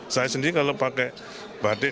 saya sendiri kalau pakai batik